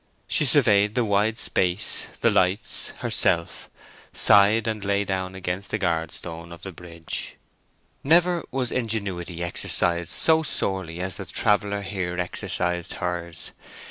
She surveyed the wide space, the lights, herself, sighed, and lay down against a guard stone of the bridge. Never was ingenuity exercised so sorely as the traveller here exercised hers.